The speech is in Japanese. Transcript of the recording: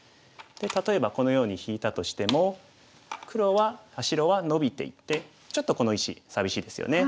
で例えばこのように引いたとしても白はノビていってちょっとこの石寂しいですよね。